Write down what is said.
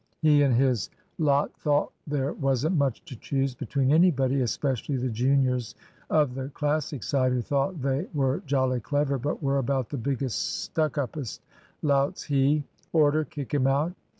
He and his lot thought there wasn't much to choose between anybody, especially the juniors of the Classic side, who thought they were jolly clever, but were about the biggest stuck uppest louts he (Order. Kick him out.)